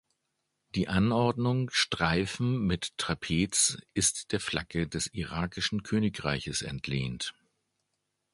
Die Anordnung Streifen mit Trapez ist der Flagge des irakischen Königreiches entlehnt.